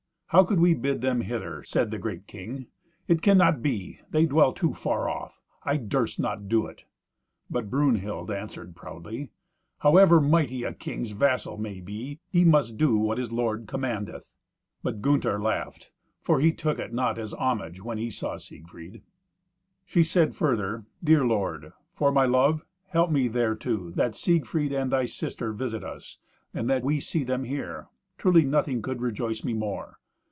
"How could we bid them hither?" said the great king. "It cannot be. They dwell too far off. I durst not do it." But Brunhild answered proudly, "However mighty a king's vassal may be, he must do what his lord commandeth." But Gunther laughed, for he took it not as homage when he saw Siegfried. She said further, "Dear lord, for my love, help me thereto, that Siegfried and thy sister visit us, and that we see them here. Truly nothing could rejoice me more.